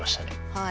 はい。